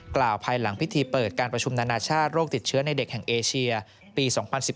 กล่าวภายหลังพิธีเปิดการประชุมนานาชาติโรคติดเชื้อในเด็กแห่งเอเชียปี๒๐๑๘